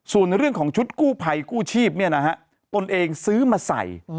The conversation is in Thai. ส่วนเรื่องของชุดกู้ภัยกู้ชีพเนี่ยนะฮะตนเองซื้อมาใส่